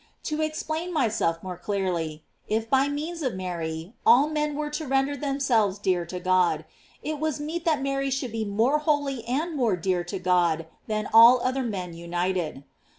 To ex« plain myself more clearly, if by means of Mary all men were to render themselves dear to God, it was meet that Mary should be more holy and more dear to God than all other men united.